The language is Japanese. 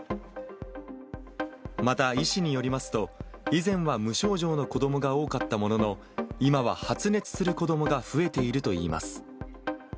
また医師によりますと、以前は無症状の子どもが多かったものの、今は発熱する子どもが増えているといいます。